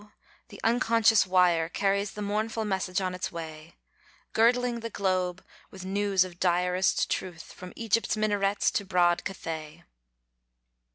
the unconscious wire Carries the mournful message on its way, Girdling the globe with news of direst truth, From Egypt's minarets to broad Cathay.